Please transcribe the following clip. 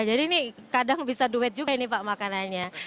jadi ini kadang bisa duet juga ini pak makanannya